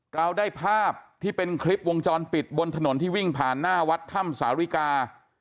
เราได้ภาพที่เป็นคลิปวงจรปิดบนถนนที่วิ่งผ่านหน้าวัดถ้ำสาริกา